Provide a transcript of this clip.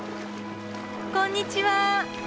こんにちは。